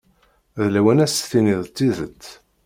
D lawan ad s-tiniḍ tidet.